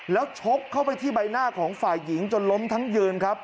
แล้วชกเข้าไปที่ใบหน้าของฝ่ายหญิงจนล้มทั้งยืนครับ